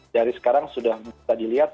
dari sekarang sudah bisa dilihat